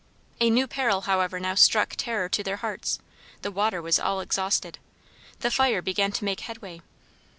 A new peril, however, now struck terror to their hearts; the water was all exhausted. The fire began to make headway.